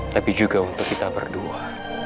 tapi juga untuk kita berdua